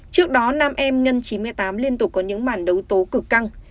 trước đó nam em ngân chín mươi tám liên tục có những bản đấu tố cực căng